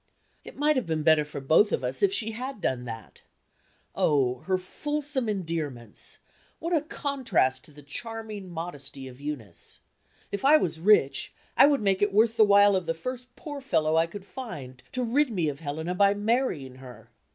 "It might have been better for both of us if she had done that. Oh, her fulsome endearments! What a contrast to the charming modesty of Eunice! If I was rich, I would make it worth the while of the first poor fellow I could find to rid me of Helena by marrying her.